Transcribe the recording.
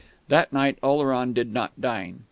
That night Oleron did not dine.